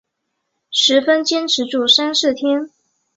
十分坚持住三四天